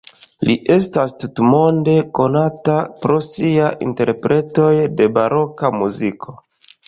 Li estas tutmonde konata pro sia interpretoj de baroka muziko.